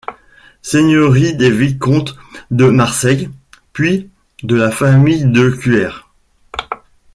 Seigneurie des vicomtes de Marseille, puis de la famille de Cuers.